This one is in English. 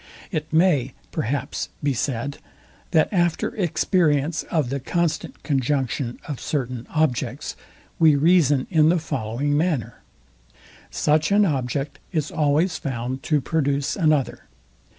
It may, perhaps, be said, that after experience of the constant conjunction of certain objects, we reason in the following manner. Such an object is always found to produce another.